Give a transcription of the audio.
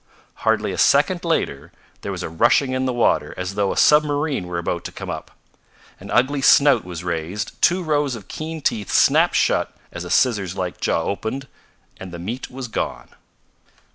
Hardly a second later there was a rushing in the water as though a submarine were about to come up. An ugly snout was raised, two rows of keen teeth snapped shut as a scissors like jaw opened, and the meat was gone.